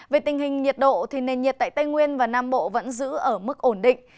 về tình hình nhiệt độ thì nền nhiệt tại tây nguyên và nam bộ vẫn giữ ở mức ổn định